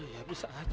ya bisa aja